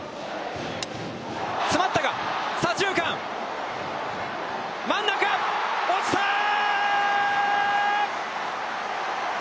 詰まったが、左中間真ん中、落ちたー！